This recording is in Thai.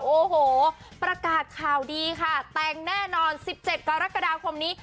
โอ้โหประกาศข่าวดีค่ะแต่งแน่นอน๑๗กรกฎาคมนี้